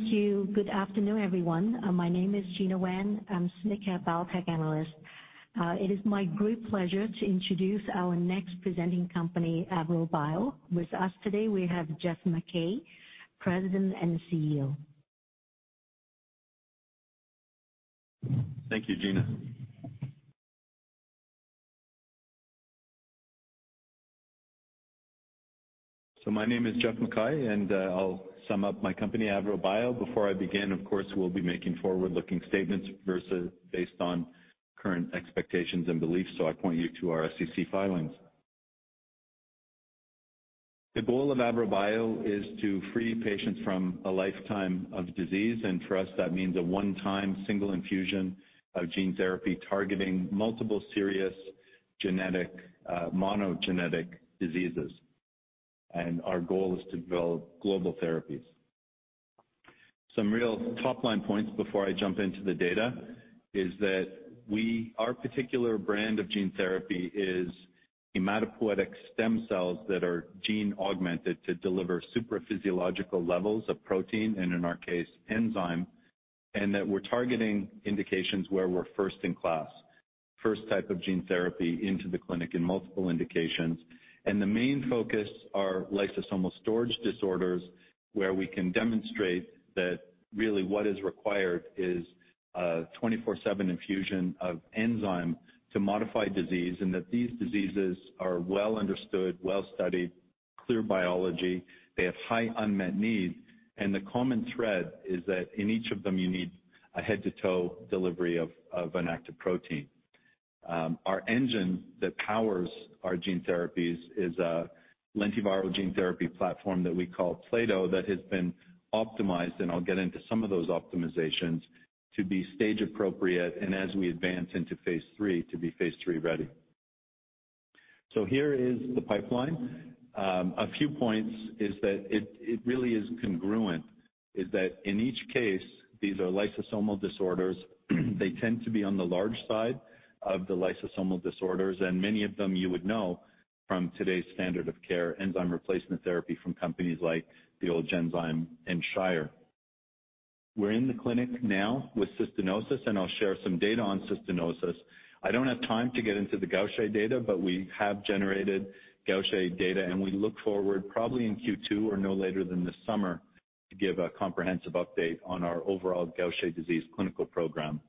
Thank you. Good afternoon, everyone. My name is Gena Wang. I'm SMID-Cap Biotech Analyst. It is my great pleasure to introduce our next presenting company, AVROBIO. With us today, we have Geoff MacKay, President and CEO. Thank you, Gena. My name is Geoff MacKay, and I'll sum up my company, AVROBIO. Before I begin, of course, we'll be making forward-looking statements which are based on current expectations and beliefs, so I point you to our SEC filings. The goal of AVROBIO is to free patients from a lifetime of disease, and for us, that means a one-time single infusion of gene therapy targeting multiple serious genetic monogenic diseases. Our goal is to develop global therapies. Some real top-line points before I jump into the data is that our particular brand of gene therapy is hematopoietic stem cells that are gene-augmented to deliver supraphysiological levels of protein, and in our case, enzyme. That we're targeting indications where we're first in class, first type of gene therapy into the clinic in multiple indications. The main focus are lysosomal storage disorders, where we can demonstrate that really what is required is a 24/7 infusion of enzyme to modify disease, and that these diseases are well understood, well studied, clear biology. They have high unmet need, and the common thread is that in each of them, you need a head-to-toe delivery of an active protein. Our engine that powers our gene therapies is a lentiviral gene therapy platform that we call Plato that has been optimized, and I'll get into some of those optimizations, to be stage appropriate and as we advance into phase III, to be phase III-ready. Here is the pipeline. A few points is that it really is congruent in that in each case, these are lysosomal disorders. They tend to be on the large side of the lysosomal disorders, and many of them you would know from today's standard of care, enzyme replacement therapy from companies like the old Genzyme and Shire. We're in the clinic now with cystinosis, and I'll share some data on cystinosis. I don't have time to get into the Gaucher data, but we have generated Gaucher data, and we look forward probably in Q2 or no later than this summer, to give a comprehensive update on our overall Gaucher disease clinical program.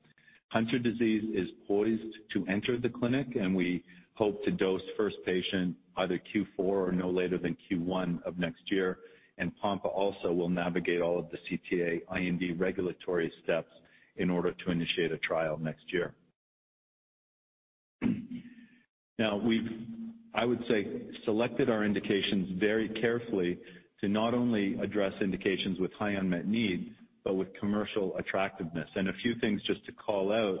Hunter disease is poised to enter the clinic, and we hope to dose first patient either Q4 or no later than Q1 of next year. Pompe also will navigate all of the CTA IND regulatory steps in order to initiate a trial next year. Now, we've, I would say, selected our indications very carefully to not only address indications with high unmet need, but with commercial attractiveness. A few things just to call out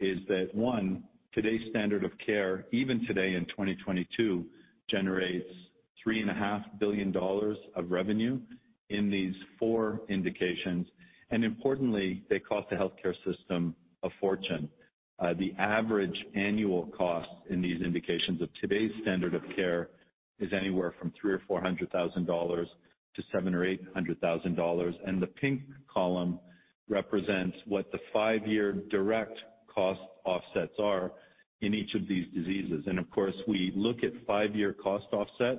is that, one, today's standard of care, even today in 2022, generates $3.5 billion of revenue in these four indications. Importantly, they cost the healthcare system a fortune. The average annual cost in these indications of today's standard of care is anywhere from $300,000-$400,000 to $700,000-$800,000. The pink column represents what the five-year direct cost offsets are in each of these diseases. Of course, we look at five-year cost offset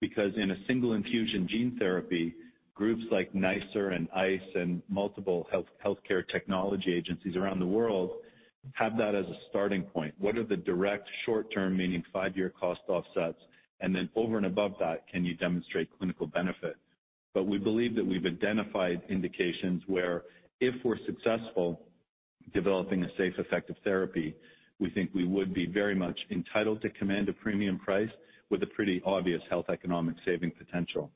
because in a single infusion gene therapy, groups like ICER and NICE and multiple healthcare technology agencies around the world have that as a starting point. What are the direct short-term, meaning five-year cost offsets? Over and above that, can you demonstrate clinical benefit? We believe that we've identified indications where if we're successful developing a safe, effective therapy, we think we would be very much entitled to command a premium price with a pretty obvious health economic saving potential.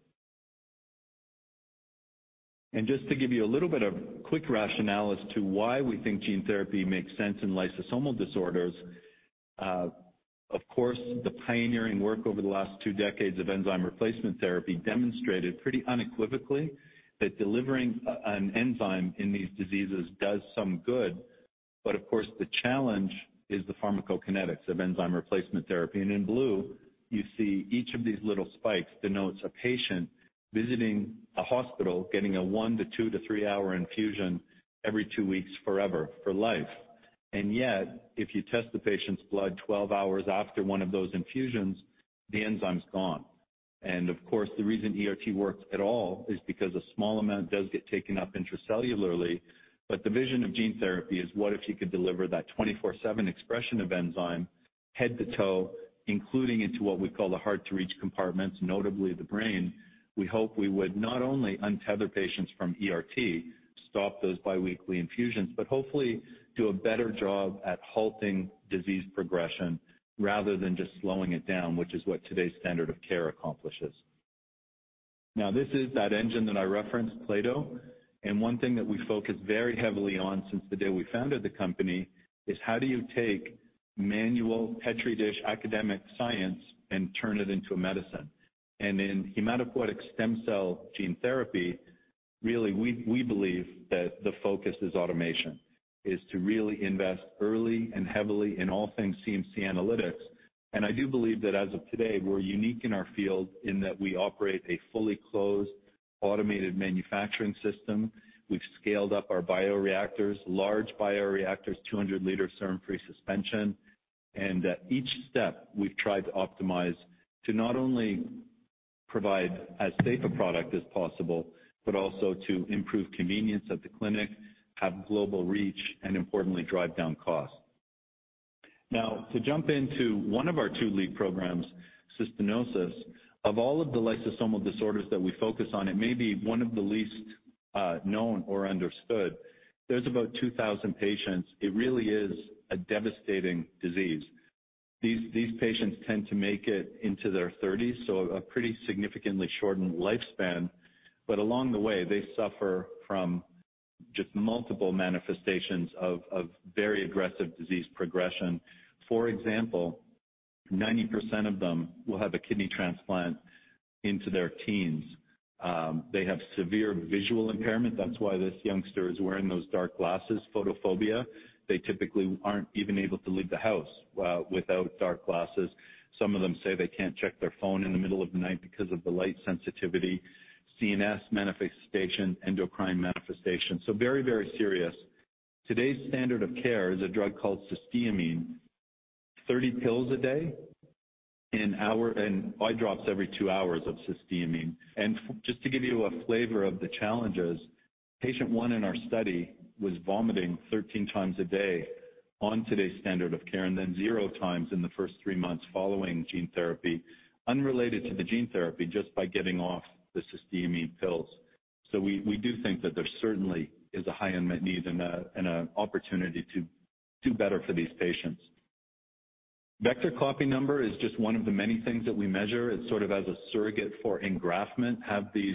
Just to give you a little bit of quick rationale as to why we think gene therapy makes sense in lysosomal disorders. Of course, the pioneering work over the last two decades of enzyme replacement therapy demonstrated pretty unequivocally that delivering an enzyme in these diseases does some good. Of course, the challenge is the pharmacokinetics of enzyme replacement therapy. In blue, you see each of these little spikes denotes a patient visiting a hospital, getting a one to two to three-hour infusion every two weeks forever for life. Yet, if you test the patient's blood 12 hours after one of those infusions, the enzyme's gone. Of course, the reason ERT works at all is because a small amount does get taken up intracellularly. The vision of gene therapy is what if you could deliver that 24/7 expression of enzyme head to toe, including into what we call the hard-to-reach compartments, notably the brain. We hope we would not only untether patients from ERT, stop those biweekly infusions, but hopefully do a better job at halting disease progression rather than just slowing it down, which is what today's standard of care accomplishes. Now, this is that engine that I referenced, Plato. One thing that we focus very heavily on since the day we founded the company is how do you take manual Petri dish academic science and turn it into a medicine? In hematopoietic stem cell gene therapy, really, we believe that the focus is automation, to really invest early and heavily in all things CMC analytics. At each step, we've tried to optimize to not only provide as safe a product as possible, but also to improve convenience at the clinic, have global reach, and importantly, drive down costs. Now to jump into one of our two lead programs, cystinosis, of all of the lysosomal disorders that we focus on, it may be one of the least known or understood. There's about 2,000 patients. It really is a devastating disease. These patients tend to make it into their thirties, so a pretty significantly shortened lifespan. Along the way, they suffer from just multiple manifestations of very aggressive disease progression. For example, 90% of them will have a kidney transplant into their teens. They have severe visual impairment. That's why this youngster is wearing those dark glasses, photophobia. They typically aren't even able to leave the house without dark glasses. Some of them say they can't check their phone in the middle of the night because of the light sensitivity, CNS manifestation, endocrine manifestation. Very, very serious. Today's standard of care is a drug called cysteamine, 30 pills a day, an hour, and eye drops every two hours of cysteamine. Just to give you a flavor of the challenges, patient 1 in our study was vomiting 13 times a day on today's standard of care, and then zero times in the first three months following gene therapy, unrelated to the gene therapy just by getting off the cysteamine pills. We do think that there certainly is a high unmet need and a opportunity to do better for these patients. Vector copy number is just one of the many things that we measure. It's sort of a surrogate for engraftment. Have these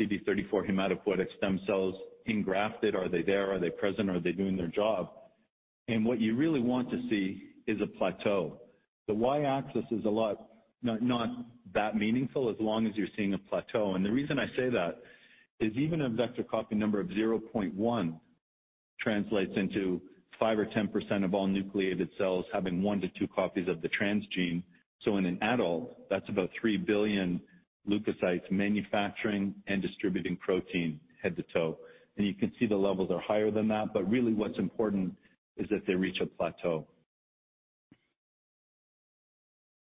CD34 hematopoietic stem cells engrafted? Are they there? Are they present? Are they doing their job? What you really want to see is a plateau. The y-axis is a lot not that meaningful as long as you're seeing a plateau. The reason I say that is even a vector copy number of 0.1 translates into 5% or 10% of all nucleated cells having one to two copies of the transgene. In an adult, that's about 3 billion leukocytes manufacturing and distributing protein head to toe. You can see the levels are higher than that, but really what's important is that they reach a plateau.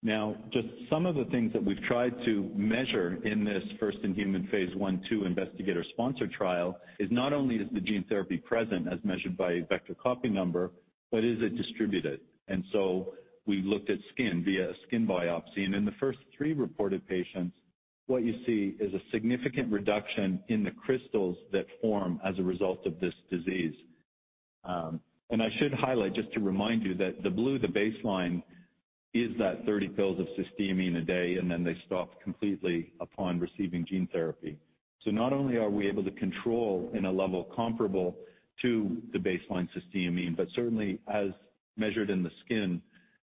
Now just some of the things that we've tried to measure in this first-in-human phase I/II investigator-sponsored trial is not only is the gene therapy present as measured by vector copy number, but is it distributed? We looked at skin via a skin biopsy. In the first three reported patients, what you see is a significant reduction in the crystals that form as a result of this disease. I should highlight, just to remind you that the blue, the baseline, is that 30 pills of cysteamine a day, and then they stopped completely upon receiving gene therapy. Not only are we able to control in a level comparable to the baseline cysteamine, but certainly as measured in the skin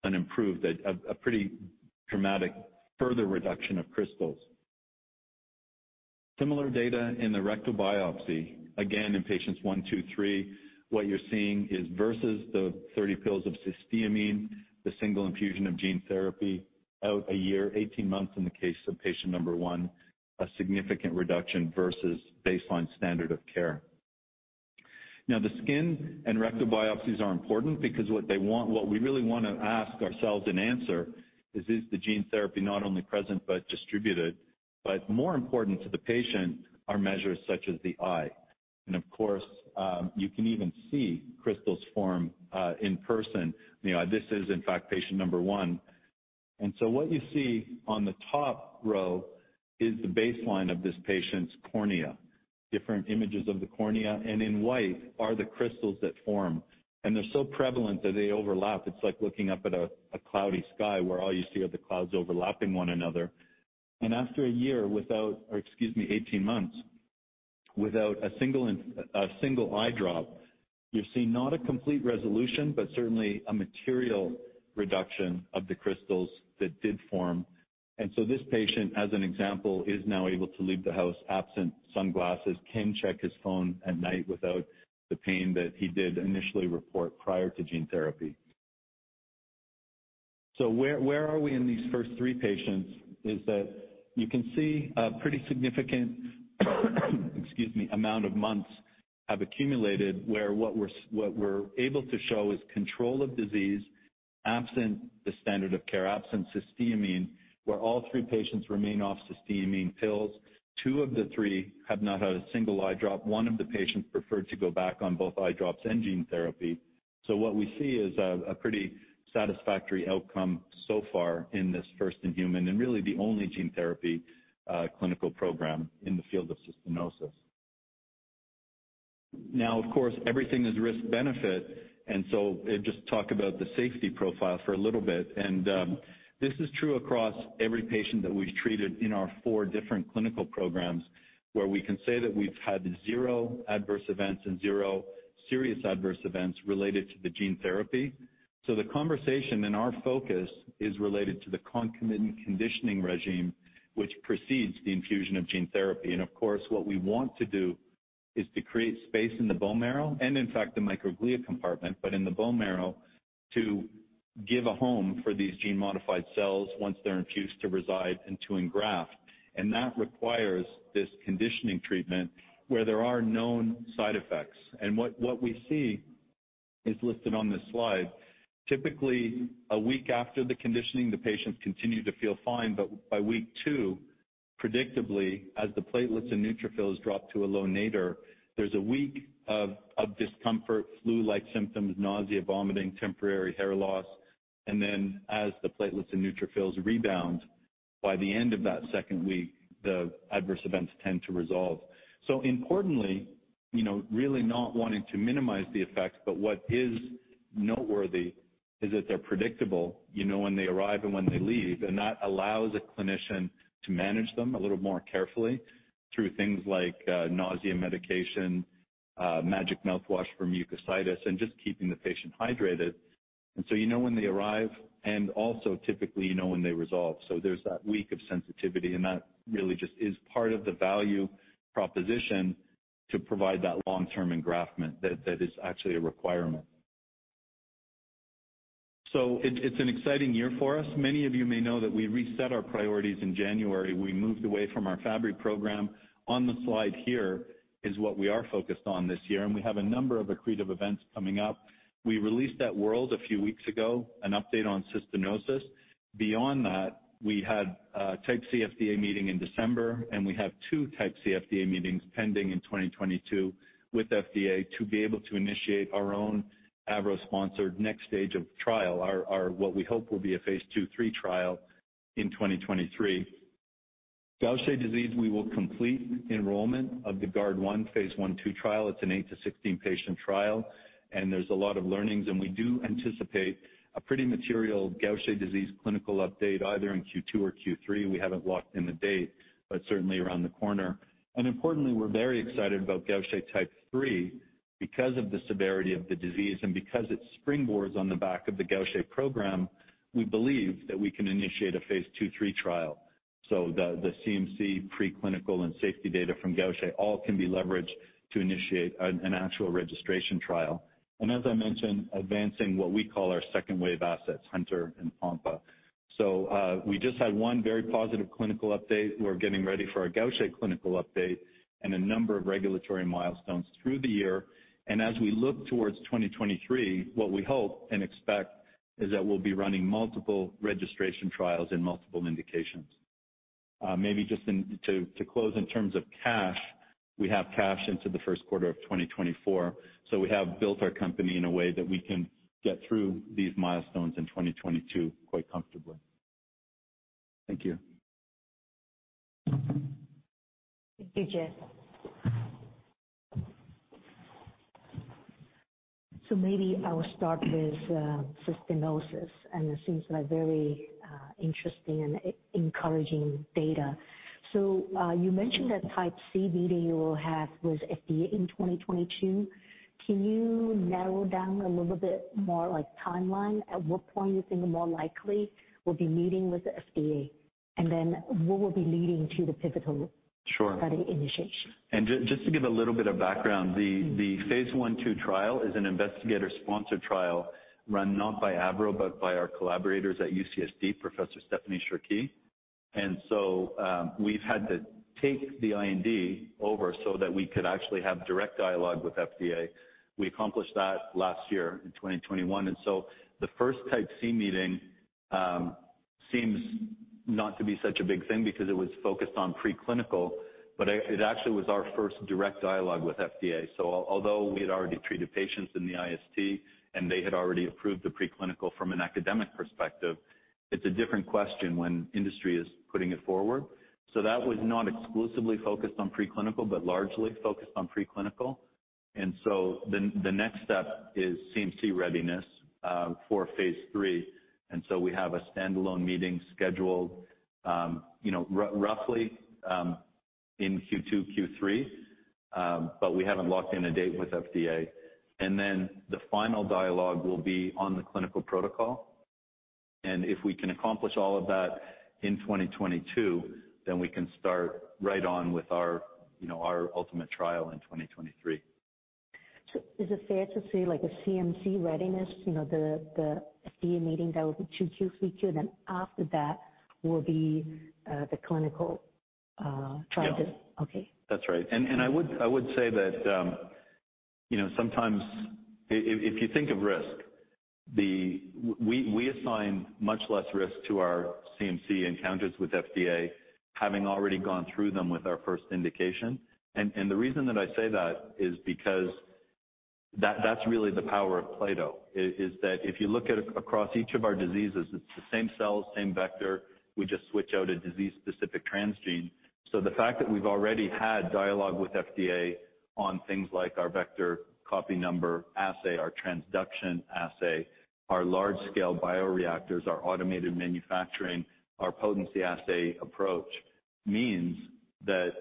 and improved a pretty dramatic further reduction of crystals. Similar data in the rectal biopsy, again in patients one, two, three, what you're seeing is versus the 30 pills of cysteamine, the single infusion of gene therapy after a year, 18 months in the case of patient number one, a significant reduction versus baseline standard of care. Now, the skin and rectal biopsies are important because what we really wanna ask ourselves and answer is the gene therapy not only present but distributed? More important to the patient are measures such as the eye. Of course, you can even see crystals form in person. You know, this is in fact patient number one. What you see on the top row is the baseline of this patient's cornea, different images of the cornea, and in white are the crystals that form, and they're so prevalent that they overlap. It's like looking up at a cloudy sky where all you see are the clouds overlapping one another. After a year without. Excuse me, 18 months without a single eye drop, you're seeing not a complete resolution, but certainly a material reduction of the crystals that did form. This patient, as an example, is now able to leave the house absent sunglasses, can check his phone at night without the pain that he did initially report prior to gene therapy. Where are we in these first three patients? You can see a pretty significant amount of months have accumulated where what we're able to show is control of disease absent the standard of care, absent cysteamine, where all three patients remain off cysteamine pills. Two of the three have not had a single eye drop. One of the patients preferred to go back on both eye drops and gene therapy. What we see is a pretty satisfactory outcome so far in this first-in-human, and really the only gene therapy clinical program in the field of cystinosis. Now, of course, everything is risk-benefit, just talk about the safety profile for a little bit. This is true across every patient that we've treated in our four different clinical programs where we can say that we've had zero adverse events and zero serious adverse events related to the gene therapy. The conversation and our focus is related to the concomitant conditioning regime which precedes the infusion of gene therapy. Of course, what we want to do is to create space in the bone marrow and in fact the microglia compartment, but in the bone marrow to give a home for these gene-modified cells once they're infused to reside and to engraft. That requires this conditioning treatment where there are known side effects. What we see is listed on this slide. Typically, a week after the conditioning, the patients continue to feel fine, but by week 2, predictably, as the platelets and neutrophils drop to a low nadir, there's a week of discomfort, flu-like symptoms, nausea, vomiting, temporary hair loss. Then as the platelets and neutrophils rebound, by the end of that second week, the adverse events tend to resolve. Importantly, you know, really not wanting to minimize the effects, but what is noteworthy is that they're predictable, you know when they arrive and when they leave, and that allows a clinician to manage them a little more carefully through things like nausea medication, magic mouthwash for mucositis, and just keeping the patient hydrated. You know when they arrive, and also typically, you know when they resolve. There's that week of sensitivity, and that really just is part of the value proposition to provide that long-term engraftment that that is actually a requirement. It's an exciting year for us. Many of you may know that we reset our priorities in January. We moved away from our Fabry program. On the slide here is what we are focused on this year, and we have a number of accretive events coming up. We released at WORLD a few weeks ago an update on cystinosis. Beyond that, we had a Type C FDA meeting in December, and we have two Type C FDA meetings pending in 2022 with FDA to be able to initiate our own AVRO-sponsored next stage of trial, our what we hope will be a phase II/III trial in 2023. Gaucher disease, we will complete enrollment of the GUARD1 phase I/II trial. It's an eight to 16 patient trial, and there's a lot of learnings. We do anticipate a pretty material Gaucher disease clinical update either in Q2 or Q3. We haven't locked in the date, but certainly around the corner. Importantly, we're very excited about Gaucher type 3. Because of the severity of the disease and because it springboards on the back of the Gaucher program, we believe that we can initiate a phase II/III trial. The CMC pre-clinical and safety data from Gaucher all can be leveraged to initiate an actual registration trial. As I mentioned, advancing what we call our second-wave assets, Hunter and Pompe. We just had one very positive clinical update. We're getting ready for our Gaucher clinical update and a number of regulatory milestones through the year. As we look towards 2023, what we hope and expect is that we'll be running multiple registration trials in multiple indications. Maybe just to close in terms of cash, we have cash into the first quarter of 2024. We have built our company in a way that we can get through these milestones in 2022 quite comfortably. Thank you. Thank you, Geoff. Maybe I will start with cystinosis, and it seems like very interesting and encouraging data. You mentioned that Type C meeting you will have with FDA in 2022. Can you narrow down a little bit more like timeline, at what point you think more likely we'll be meeting with the FDA? Then what will be leading to the pivotal Sure. Study initiation? Just to give a little bit of background, the phase I/II trial is an investigator-sponsored trial run not by AVROBIO, but by our collaborators at UCSD, Professor Stephanie Cherqui. We've had to take the IND over so that we could actually have direct dialogue with the FDA. We accomplished that last year in 2021. The first Type C meeting seems not to be such a big thing because it was focused on preclinical, but it actually was our first direct dialogue with the FDA. Although we had already treated patients in the IST, and they had already approved the preclinical from an academic perspective, it's a different question when industry is putting it forward. That was not exclusively focused on preclinical, but largely focused on preclinical. The next step is CMC readiness for phase III. We have a standalone meeting scheduled, you know, roughly, in Q2, Q3, but we haven't locked in a date with FDA. Then the final dialogue will be on the clinical protocol. If we can accomplish all of that in 2022, then we can start right on with our, you know, our ultimate trial in 2023. Is it fair to say like the CMC readiness, you know, the FDA meeting that will be Q2, Q3, then after that will be the clinical trial- Yeah. Okay. That's right. I would say that, you know, sometimes if you think of risk, we assign much less risk to our CMC encounters with FDA having already gone through them with our first indication. The reason that I say that is because that's really the power of plato, is that if you look across each of our diseases, it's the same cells, same vector. We just switch out a disease-specific transgene. The fact that we've already had dialogue with FDA on things like our vector copy number assay, our transduction assay, our large-scale bioreactors, our automated manufacturing, our potency assay approach means that.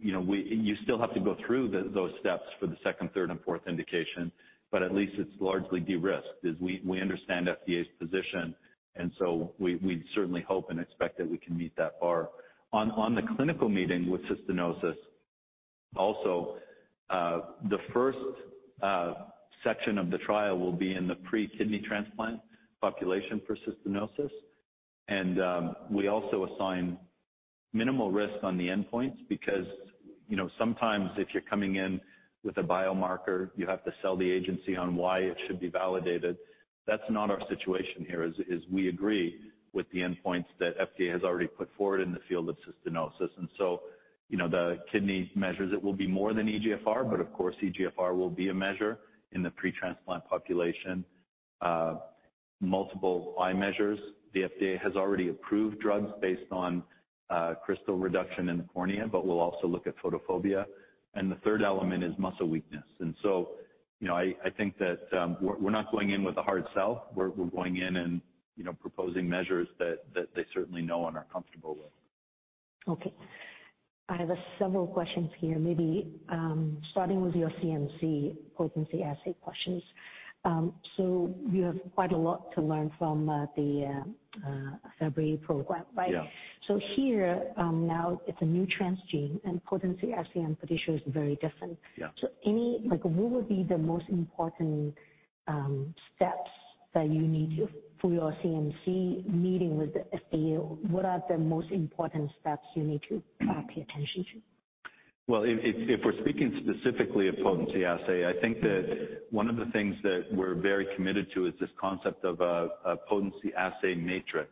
You know, you still have to go through those steps for the second, third and fourth indication, but at least it's largely de-risked. We understand FDA's position, and so we'd certainly hope and expect that we can meet that bar. On the clinical meeting with cystinosis, also, the first section of the trial will be in the pre-kidney transplant population for cystinosis. We also assign minimal risk on the endpoints because, you know, sometimes if you're coming in with a biomarker, you have to sell the agency on why it should be validated. That's not our situation here, as we agree with the endpoints that FDA has already put forward in the field of cystinosis. You know, the kidney measures, it will be more than eGFR, but of course eGFR will be a measure in the pre-transplant population. Multiple eye measures. The FDA has already approved drugs based on crystal reduction in the cornea, but we'll also look at photophobia. The third element is muscle weakness. You know, I think that we're not going in with a hard sell. We're going in and you know, proposing measures that they certainly know and are comfortable with. Okay. I have several questions here, maybe, starting with your CMC potency assay questions. You have quite a lot to learn from the Fabry program, right? Yeah. Here, now it's a new transgene, and potency assay and prediction is very different. Yeah. Like, what would be the most important steps that you need to for your CMC meeting with the FDA? What are the most important steps you need to pay attention to? Well, if we're speaking specifically of potency assay, I think that one of the things that we're very committed to is this concept of a potency assay matrix.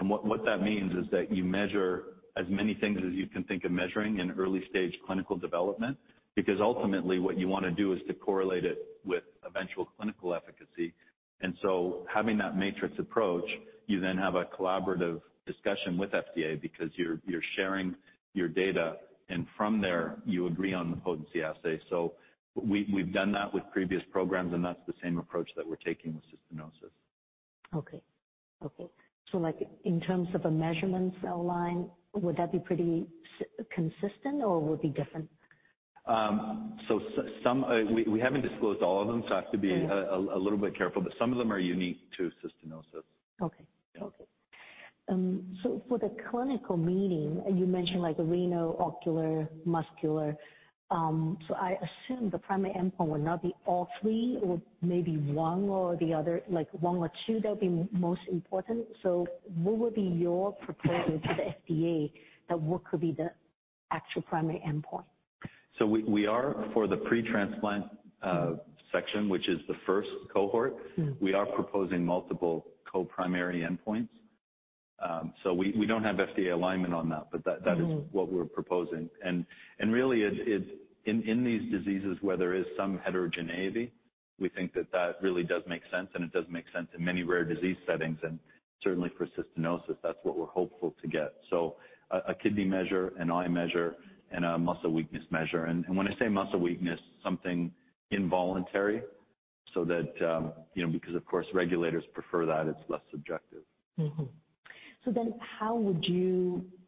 What that means is that you measure as many things as you can think of measuring in early stage clinical development, because ultimately what you wanna do is to correlate it with eventual clinical efficacy. Having that matrix approach, you then have a collaborative discussion with FDA because you're sharing your data, and from there you agree on the potency assay. We've done that with previous programs, and that's the same approach that we're taking with cystinosis. Like in terms of a [measurement] cell line, would that be pretty consistent or would be different? We haven't disclosed all of them, so I have to be- Sure. A little bit careful, but some of them are unique to cystinosis. Okay. Yeah. Okay. For the clinical meeting, you mentioned like the renal, ocular, muscular, so I assume the primary endpoint would not be all three or maybe one or the other, like one or two that would be most important. What would be your proposal to the FDA that what could be the actual primary end-point? We are for the pre-transplant section, which is the first cohort. Mm-hmm. We are proposing multiple co-primary end-points. We don't have FDA alignment on that, but that. Mm-hmm. That is what we're proposing. Really it's in these diseases where there is some heterogeneity, we think that really does make sense, and it does make sense in many rare disease settings and certainly for cystinosis, that's what we're hopeful to get. A kidney measure, an eye measure, and a muscle weakness measure. When I say muscle weakness, something involuntary so that you know, because of course regulators prefer that, it's less subjective.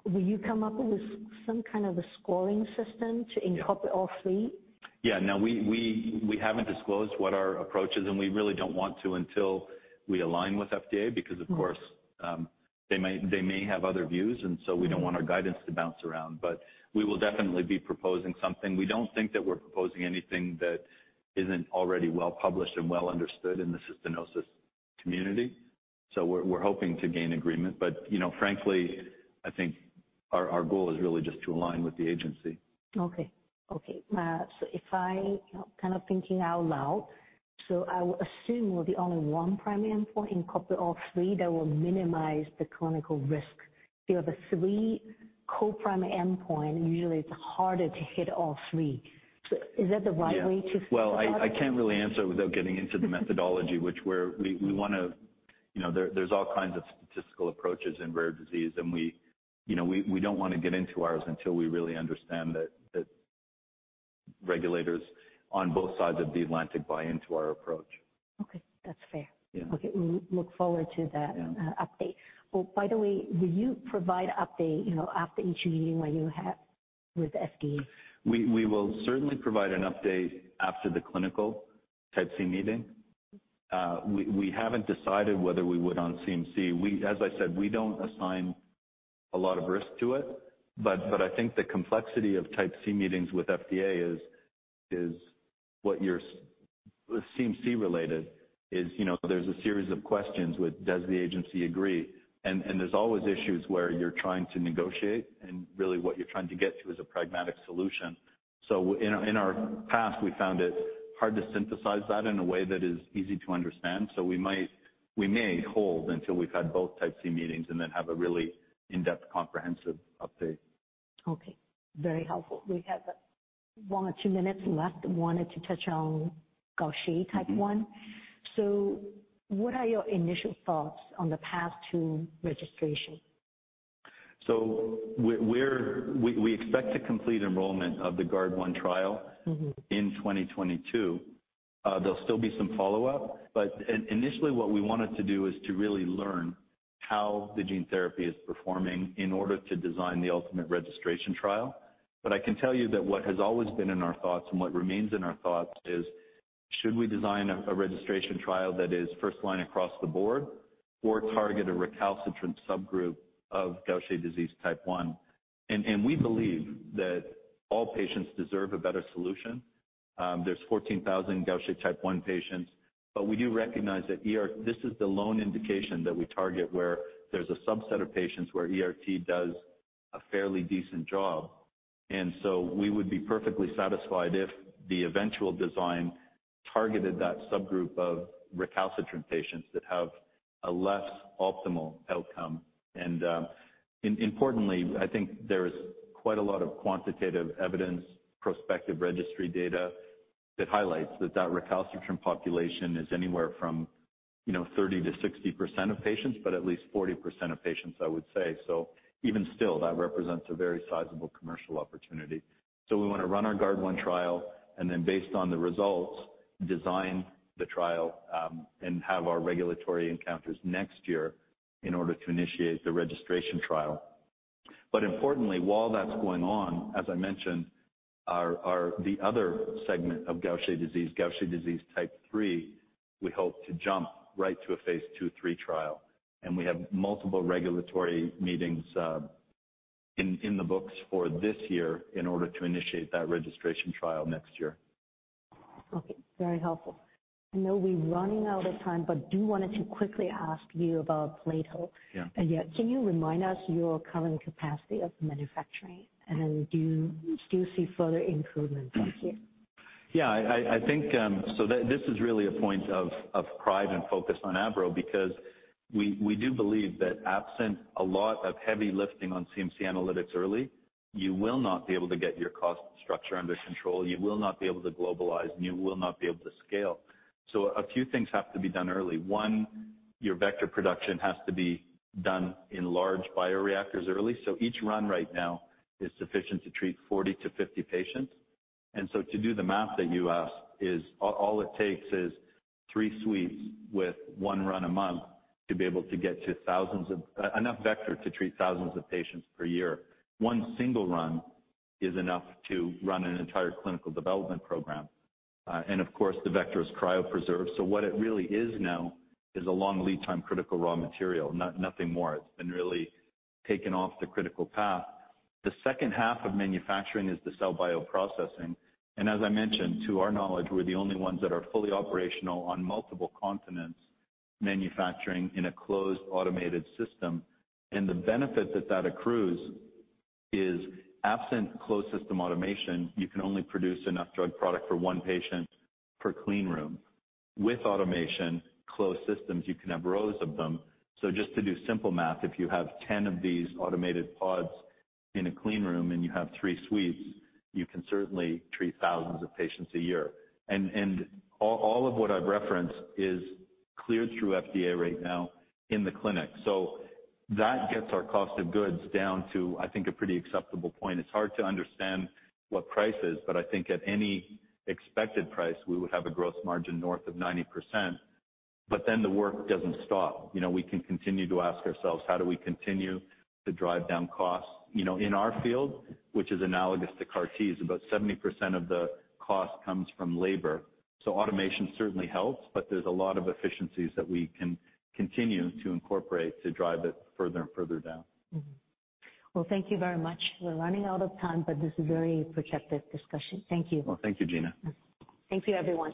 Will you come up with some kind of a scoring system to? Yeah. Incorporate all three? Yeah, no, we haven't disclosed what our approach is, and we really don't want to until we align with FDA because of course. Mm. They may have other views, and so we don't want our guidance to bounce around. We will definitely be proposing something. We don't think that we're proposing anything that isn't already well-published and well understood in the cystinosis community, so we're hoping to gain agreement. You know, frankly, I think our goal is really just to align with the agency. Okay. If I kind of thinking out loud, I would assume with the only one primary endpoint incorporate all three, that will minimize the clinical risk. You have a three co-primary end-point, usually it's harder to hit all three. Is that the right way to think about it? Yeah. Well, I can't really answer without getting into the methodology, which we wanna, you know. There's all kinds of statistical approaches in rare disease, and we, you know, we don't wanna get into ours until we really understand that regulators on both sides of the Atlantic buy into our approach. Okay. That's fair. Yeah. Okay. We look forward to that. Yeah. Update. Oh, by the way, will you provide update, you know, after each meeting where you have with FDA? We will certainly provide an update after the clinical Type C meeting. We haven't decided whether we would on CMC. As I said, we don't assign a lot of risk to it, but I think the complexity of Type C meetings with FDA is what you're seeing CMC related is, you know, there's a series of questions with does the agency agree? There's always issues where you're trying to negotiate and really what you're trying to get to is a pragmatic solution. In our past we found it hard to synthesize that in a way that is easy to understand. We may hold until we've had both Type C meetings and then have a really in-depth, comprehensive update. Okay. Very helpful. We have one or two minutes left. Wanted to touch on Gaucher type 1. Mm-hmm. What are your initial thoughts on the path to registration? We expect to complete enrollment of the GUARD1 trial. Mm-hmm. In 2022. There'll still be some follow-up, but initially what we wanted to do is to really learn how the gene therapy is performing in order to design the ultimate registration trial. I can tell you that what has always been in our thoughts and what remains in our thoughts is should we design a registration trial that is first line across the board or target a recalcitrant subgroup of Gaucher disease type 1? We believe that all patients deserve a better solution. There's 14,000 Gaucher type 1 patients, but we do recognize that this is the lone indication that we target where there's a subset of patients where ERT does a fairly decent job. We would be perfectly satisfied if the eventual design targeted that subgroup of recalcitrant patients that have a less optimal outcome. Importantly, I think there's quite a lot of quantitative evidence, prospective registry data that highlights that recalcitrant population is anywhere from, you know, 30%-60% of patients, but at least 40% of patients, I would say. Even still, that represents a very sizable commercial opportunity. We wanna run our GUARD1 trial and then based on the results, design the trial, and have our regulatory encounters next year in order to initiate the registration trial. Importantly, while that's going on, as I mentioned, the other segment of Gaucher disease, Gaucher disease type 3, we hope to jump right to a phase II/III trial. We have multiple regulatory meetings in the books for this year in order to initiate that registration trial next year. Okay, very helpful. I know we're running out of time, I do want to quickly ask you about plato. Yeah. Can you remind us your current capacity of manufacturing and do you still see further improvements this year? Yeah. I think this is really a point of pride and focus on AVRO because we do believe that absent a lot of heavy lifting on CMC analytics early, you will not be able to get your cost structure under control, you will not be able to globalize, and you will not be able to scale. A few things have to be done early. One, your vector production has to be done in large bioreactors early. Each run right now is sufficient to treat 40 patients-50 patients. To do the math that you ask, all it takes is three suites with one run a month to be able to get to enough vector to treat thousands of patients per year. One single run is enough to run an entire clinical development program. Of course, the vector is cryopreserved. What it really is now is a long lead time critical raw material, nothing more. It's been really taken off the critical path. The second half of manufacturing is the cell bioprocessing, and as I mentioned, to our knowledge, we're the only ones that are fully operational on multiple continents manufacturing in a closed automated system. The benefit that that accrues is, absent closed system automation, you can only produce enough drug product for one patient per clean room. With automation closed systems, you can have rows of them. Just to do simple math, if you have 10 of these automated pods in a clean room and you have three suites, you can certainly treat thousands of patients a year. All of what I've referenced is cleared through FDA right now in the clinic. That gets our cost of goods down to, I think, a pretty acceptable point. It's hard to understand what price is, but I think at any expected price, we would have a gross margin north of 90%. Then the work doesn't stop. You know, we can continue to ask ourselves, how do we continue to drive down costs, you know, in our field, which is analogous to CAR-T's. About 70% of the cost comes from labor. Automation certainly helps, but there's a lot of efficiencies that we can continue to incorporate to drive it further and further down. Well, thank you very much. We're running out of time, but this is very productive discussion. Thank you. Well, thank you, Gena. Thank you, everyone.